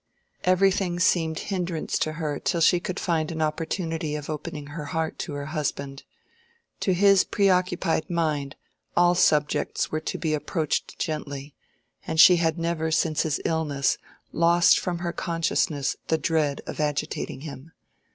Everything seemed hindrance to her till she could find an opportunity of opening her heart to her husband. To his preoccupied mind all subjects were to be approached gently, and she had never since his illness lost from her consciousness the dread of agitating him.